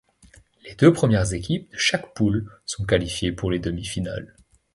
Les deux premières équipes de chaque poule sont qualifiées pour les demi-finale.